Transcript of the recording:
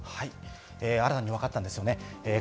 新たにわかったんですよね。